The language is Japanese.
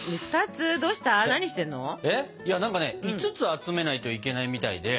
何かね５つ集めないといけないみたいで。